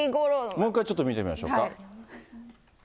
もう一回ちょっと見てみましょうか。